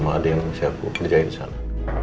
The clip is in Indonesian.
ma ada yang siapu kerjain disana